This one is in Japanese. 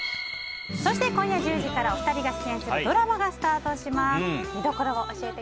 そして今夜１０時からお二人が出演するドラマがスタートします。